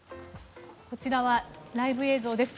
こちらはライブ映像です。